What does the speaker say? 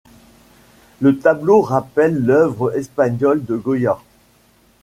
Le tableau rappelle l'œuvre espagnole de Goya.